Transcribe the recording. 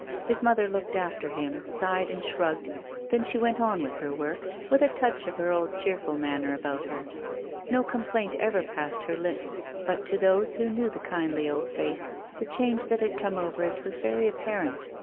His mother looked after him, sighed and shrugged; then she went on with her work with a touch of her old cheerful manner about her. No complaint ever passed her lips, but, to those who knew the kindly old face, the change that had come over it was very apparent.